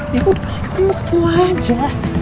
ya udah pasti ketemu ketemu aja